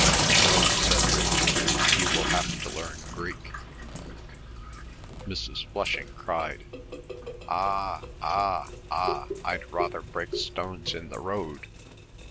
"No," said Ridley. "You will have to learn Greek." Mrs. Flushing cried, "Ah, ah, ah! I'd rather break stones in the road.